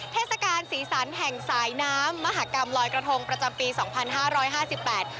เทศกาลสีสันแห่งสายน้ำมหากรรมลอยกระทงประจำปีสองพันห้าร้อยห้าสิบแปด